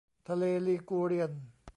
ทะเลลีกูเรียน